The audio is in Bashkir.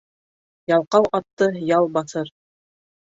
Ялҡау атты ял баҫыр.